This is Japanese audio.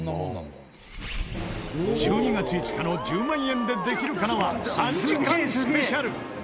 １２月５日の『１０万円でできるかな』は３時間スペシャル！